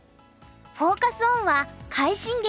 フォーカス・オンは「快進撃！